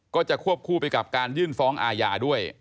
ก็จะควบคู่ไปกับการยื่นฟ้องอาญาด้วย